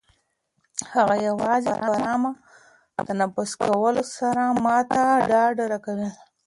هغه یوازې په ارامه تنفس کولو سره ما ته ډاډ راکوي.